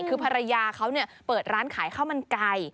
คือภรรยาเขาเปิดร้านขายข้าวมันไก่